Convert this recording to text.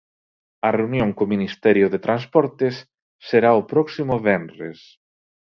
A reunión co Ministerio de Transportes será o próximo venres.